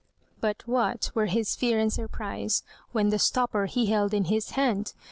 _] But what were his fear and surprise When the stopper he held in his hand!